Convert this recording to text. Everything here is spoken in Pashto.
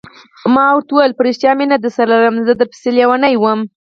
ما ورته وویل: په رښتیا مینه درسره لرم، زه در پسې لیونی وم.